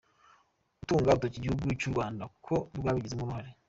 Utunga urutoki igihugu c'Urwanda ko rwabigizemwo uruhara.